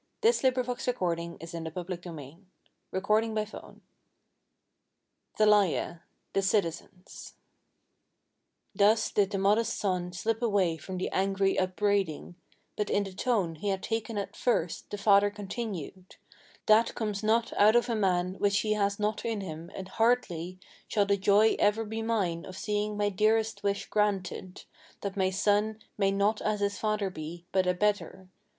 Here Hermann Softly pressed on the latch, and so went out from the chamber. THALIA THE CITIZENS Thus did the modest son slip away from the angry upbraiding; But in the tone he had taken at first, the father continued: "That comes not out of a man which he has not in him; and hardly Shall the joy ever be mine of seeing my dearest wish granted: That my son may not as his father be, but a better.